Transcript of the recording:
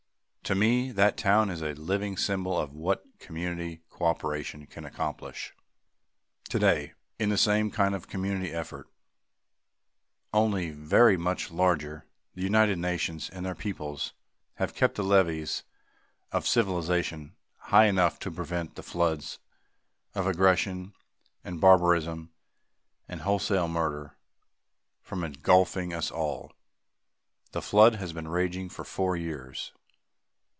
To me, that town is a living symbol of what community cooperation can accomplish. Today, in the same kind of community effort, only very much larger, the United Nations and their peoples have kept the levees of civilization high enough to prevent the floods of aggression and barbarism and wholesale murder from engulfing us all. The flood has been raging for four years.